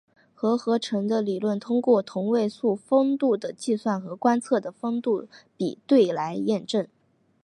核合成的理论通过同位素丰度的计算和观测的丰度比对来验证。